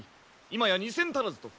今や２，０００足らずと。